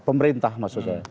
pemerintah maksud saya